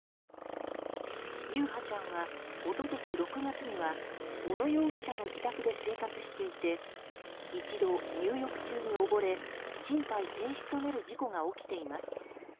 優陽ちゃんは、一昨年６月には小野容疑者の自宅で生活していて一度、入浴中におぼれ心肺停止となる事故が起きています。